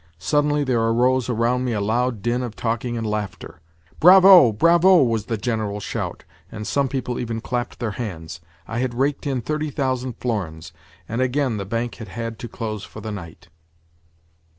Suddenly, there arose around me a loud din of talking and laughter. "Bravo, bravo!" was the general shout, and some people even clapped their hands. I had raked in thirty thousand florins, and again the bank had had to close for the night!